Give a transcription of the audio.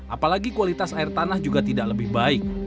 apalagi kualitas air tanah juga tidak lebih baik